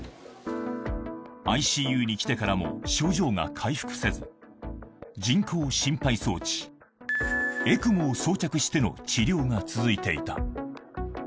ＩＣＵに来てからも症状が回復せず、人工心肺装置・ＥＣＭＯを装着しての治療が続いていた。